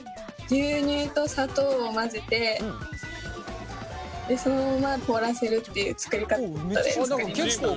牛乳と砂糖を混ぜてそのまま凍らせるっていう作りかたで作りました。